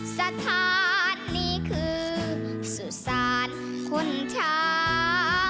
สถานนี้คือสุสานคนช้า